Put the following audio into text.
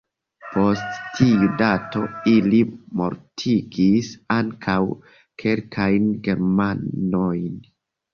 Post tiu dato, ili mortigis ankaŭ kelkajn germanojn.